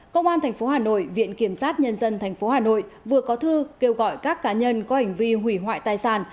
công an tp hà nội viện kiểm sát nhân dân tp hà nội vừa có thư kêu gọi các cá nhân có hành vi hủy hoại tài sản